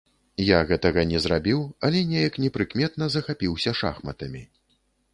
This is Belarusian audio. Я гэтага не зрабіў, але неяк непрыкметна захапіўся шахматамі.